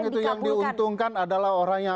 itu yang diuntungkan adalah orang yang